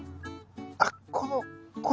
あっこのこれ？